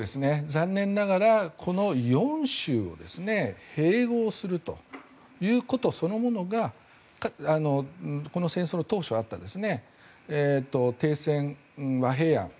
残念ながら、この４州を併合するということそのものがこの戦争の当初あった停戦、和平案。